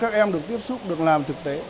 các em được tiếp xúc được làm thực tế